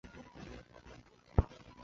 蒙古族。